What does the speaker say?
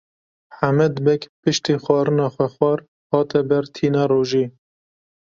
Hemed Beg piştî xwarina xwe xwar hate ber tîna rojê.